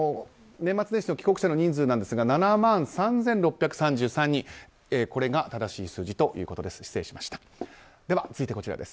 年末年始の帰国者の人数ですが７万３６３３人これが正しい数字ということです。